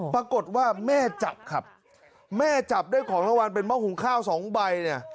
ปรากฏว่าแม่จับครับแม่จับได้ของรางวัลเป็นหม้อหุงข้าวสองใบเนี่ย